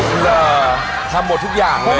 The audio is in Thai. ทำหมดทุกอย่างเลย